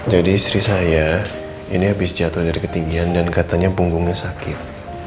jadi istri saya ini habis jatuh dari ketinggian dan katanya punggungnya sakit